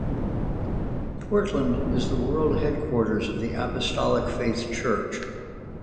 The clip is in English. Portland is the world headquarters of the Apostolic Faith Church.